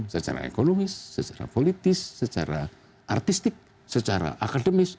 secara ekonomis secara politis secara artistik secara akademis